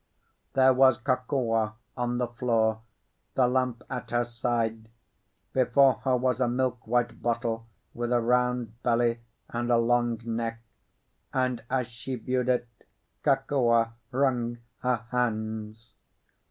There was Kokua on the floor, the lamp at her side; before her was a milk white bottle, with a round belly and a long neck; and as she viewed it, Kokua wrung her hands.